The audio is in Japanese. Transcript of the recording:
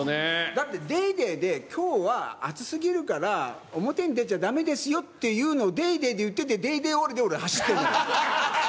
だってデイデイできょうは暑すぎるから、表に出ちゃだめですよっていうのをデイデイで言ってて、ＤａｙＤａｙ．終りで俺、走ってるの。